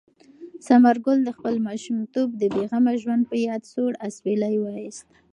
ثمر ګل د خپل ماشومتوب د بې غمه ژوند په یاد سوړ اسویلی وایست.